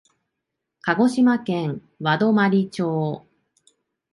鹿児島県和泊町